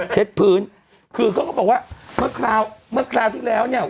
เช็ดพื้นคือเขาก็บอกว่าเมื่อคราวที่แล้วเนี่ย